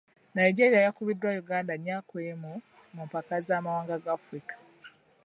Nigeria yakubiddwa Uganda nnya ku emu mu mpaka z'amawanga ga Africa.